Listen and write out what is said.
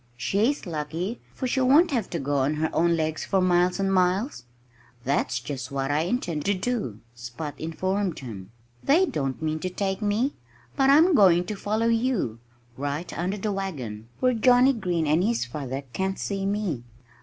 "She's lucky, for she won't have to go on her own legs, for miles and miles." "That's just what I intend to do," Spot informed him. "They don't mean to take me. But I'm going to follow you, right under the wagon, where Johnnie Green and his father can't see me."